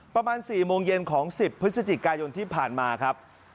ประมาณ๔โมงเย็นของ๑๐พฤศจิกายนที่ผ่านมาครับ